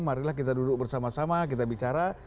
marilah kita duduk bersama sama kita bicara